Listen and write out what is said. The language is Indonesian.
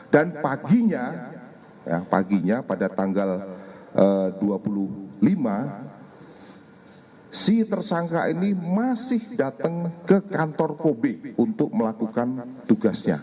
dan paginya ya paginya pada tanggal dua puluh lima si tersangka ini masih datang ke kantor kobe untuk melakukan tugasnya